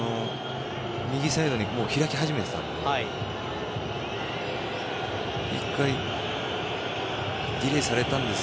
右サイドに開き始めていたので。